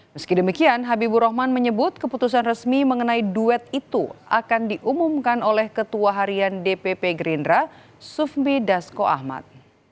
meski demikian habibur rahman menyebut keputusan resmi mengenai duet itu akan diumumkan oleh ketua harian dpp gerindra sufmi dasko ahmad